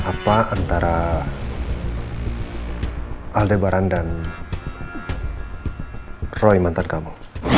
apa antara aldebaran dan roy mantan kamu